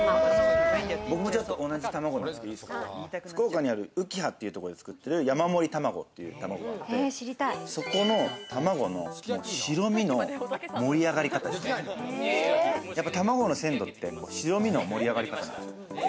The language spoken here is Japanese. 僕も同じ卵なんですけれども、福岡にある、うきはってとこで作ってる、山もりたまごという卵があって、そこの卵の白身の盛り上がり方、卵の鮮度って白身の盛り上がり方なんです。